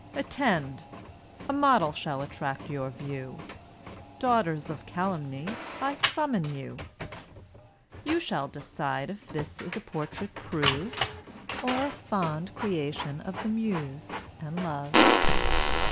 Attend!—a model shall attract your view— Daughters of calumny, I summon you! You shall decide if this a portrait prove, Or fond creation of the Muse and Love.